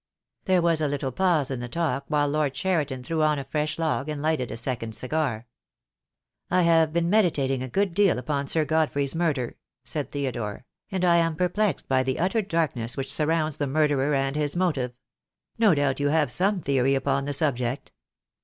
There was a little pause in the talk while Lord Cheriton threw on a fresh log and lighted a second cigar. "I have been meditating a good deal upon Sir God frey's murder," said Theodore, "and I am perplexed by the utter darkness wrhich surrounds the murderer and his motive. No doubt you have some theory upon the subject."